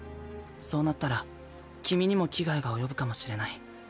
そうなったら君にも危害が及ぶかもしれない。